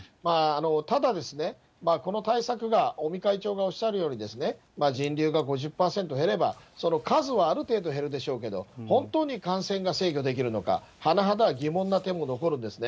ただですね、この対策が、尾身会長がおっしゃるように、人流が５０％減れば、その数はある程度減るでしょうけど、本当に感染が制御できるのか、甚だ疑問な点も残るんですね。